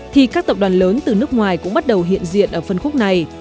thì các tập đoàn lớn từ nước ngoài cũng bắt đầu hiện diện ở phân khúc này